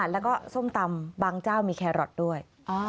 แล้วก็ส้มตำบางเจ้ามีแครอทด้วย